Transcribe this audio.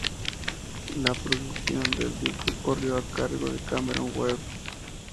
La producción del disco corrió a cargo de Cameron Webb.